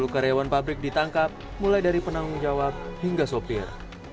sepuluh karyawan pabrik ditangkap mulai dari penanggung jawab hingga sopir